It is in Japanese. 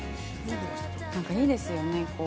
なんかいいですよね。